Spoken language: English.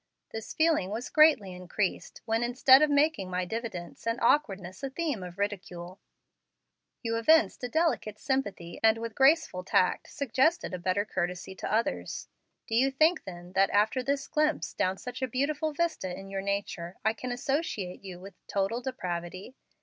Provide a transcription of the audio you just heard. This feeling was greatly increased when instead of making my diffidence and awkwardness a theme of ridicule, you evinced a delicate sympathy, and with graceful tact suggested a better courtesy to others. Do you think then, that, after this glimpse down such a beautiful vista in your nature, I can associate you with 'total depravity'?